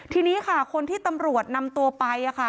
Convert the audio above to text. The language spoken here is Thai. ทีนี้ค่ะคนที่ตำรวจนำตัวไปค่ะ